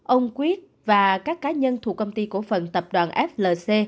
ông quyết và các cá nhân thuộc công ty cổ phần tập đoàn flc